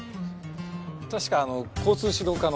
確か交通指導課の。